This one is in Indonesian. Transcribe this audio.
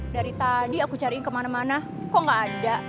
dari tadi aku cariin kemana mana kok gak ada